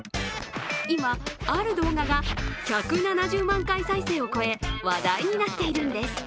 今、ある動画が１７０万回再生を超え話題になっているんです。